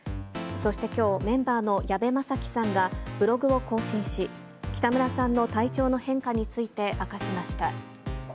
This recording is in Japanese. そしてきょう、メンバーの矢部昌暉さんがブログを更新し、北村さんの体調の変化について明かしました。